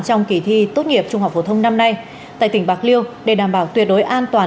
trong kỳ thi tốt nghiệp trung học phổ thông năm nay tại tỉnh bạc liêu để đảm bảo tuyệt đối an toàn